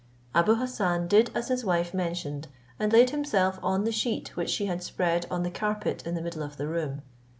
Abou Hassan did as his wife mentioned, and laid himself on the sheet which she had spread on the carpet in the middle of the room.